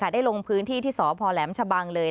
ได้ลงพื้นที่ที่สพแหลมชะบังเลย